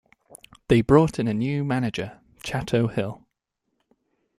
They brought in a new manager, Chato Hill.